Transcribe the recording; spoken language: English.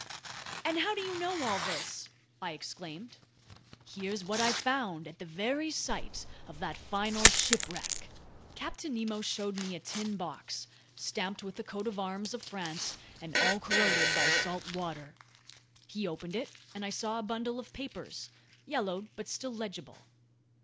"And how do you know all this?" I exclaimed. "Here's what I found at the very site of that final shipwreck!" Captain Nemo showed me a tin box, stamped with the coat of arms of France and all corroded by salt water. He opened it and I saw a bundle of papers, yellowed but still legible.